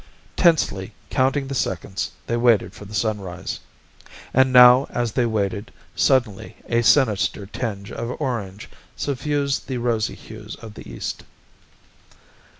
Tensely, counting the seconds, they waited for the sunrise.... And now, as they waited, suddenly a sinister tinge of orange suffused the rosy hues of the east.